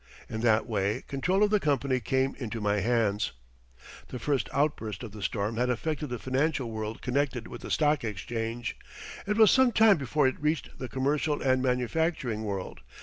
In that way control of the company came into my hands. The first outburst of the storm had affected the financial world connected with the Stock Exchange. It was some time before it reached the commercial and manufacturing world.